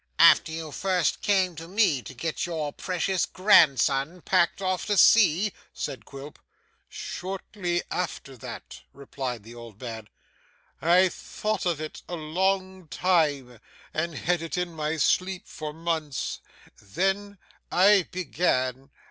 'After you first came to me to get your precious grandson packed off to sea?' said Quilp. 'Shortly after that,' replied the old man. 'I thought of it a long time, and had it in my sleep for months. Then I began.